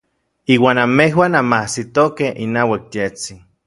Iuan anmejuan anmajsitokej inauak yejtsin.